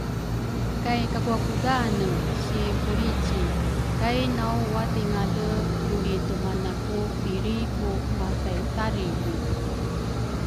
kay kakwakudhane si hulrici kai nawwathingale lu lritumanaku pilri ku mathaithariri.